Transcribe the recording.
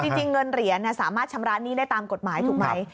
จริงเงินเหรียญสามารถชำระหนี้ได้ตามกฎหมายถูกไหม